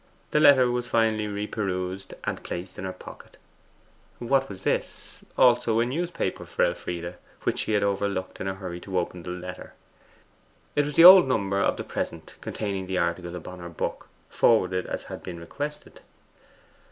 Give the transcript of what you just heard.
The letter was finally reperused and placed in her pocket. What was this? Also a newspaper for Elfride, which she had overlooked in her hurry to open the letter. It was the old number of the PRESENT, containing the article upon her book, forwarded as had been requested.